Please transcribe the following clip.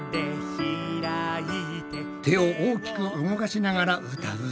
手を大きく動かしながら歌うぞ。